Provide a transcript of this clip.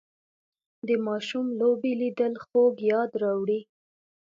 د ماشوم لوبې لیدل خوږ یاد راوړي